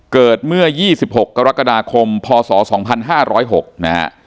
เกิดเมื่อยี่สิบหกกรกฎาคมพศสองพันห้าร้อยหกนะฮะ